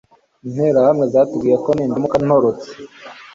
Interahamwe zatubwiye ko nindamuka ntorotse